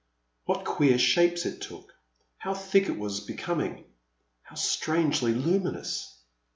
What queer shapes it took. How thick it was becoming — ^how strangely luminous